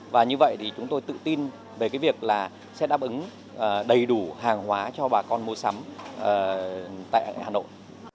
và như vậy thì chúng tôi tự tin về cái việc là sẽ đáp ứng đầy đủ hàng hóa cho bà con mua sắm tại hà nội